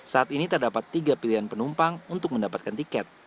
saat ini terdapat tiga pilihan penumpang untuk mendapatkan tiket